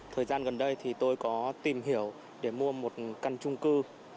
thời gian gần đây thì tôi có tìm hiểu để mua một căn trung cư